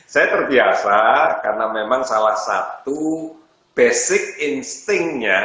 saya terbiasa karena memang salah satu basic instinctnya